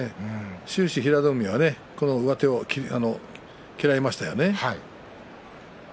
終始、平戸海は上手を嫌いましたよね。